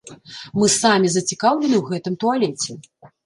Мы самі зацікаўлены ў гэтым туалеце.